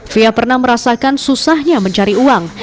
fia pernah merasakan susahnya mencari uang